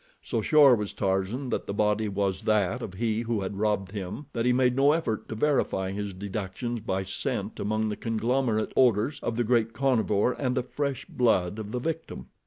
So sure was Tarzan that the body was that of he who had robbed him that he made no effort to verify his deductions by scent among the conglomerate odors of the great carnivore and the fresh blood of the victim.